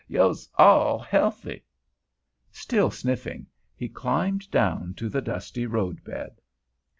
Yo' all's healthy." Still sniffing, he climbed down to the dusty road bed.